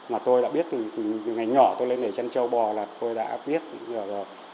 mà tôi đã biết từ ngày nhỏ tôi lên đề chăn châu bò là tôi đã biết rồi rồi